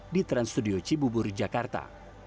di trans studio cibubur jakarta